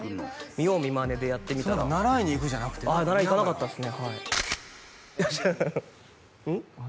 見よう見まねでやってみたら習いに行くじゃなくてああ習いに行かなかったですねハハハうん？